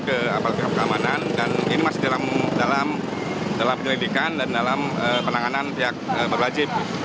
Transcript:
ke aparat keamanan dan ini masih dalam penyelidikan dan dalam penanganan pihak berwajib